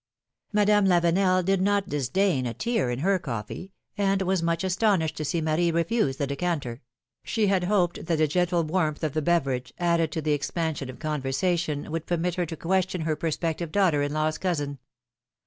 Madame Lavenel did not disdain ^'atear^^ in her coffee, and was much astonished to see Marie refuse the decanter; she had hoped that the gentle warmth of the beverage, added to the expansion of conversation, would permit her to question her perspective daughter in law's cousin.